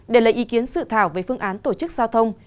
để lấy ý kiến sự thảo về phương án tổ chức giao thông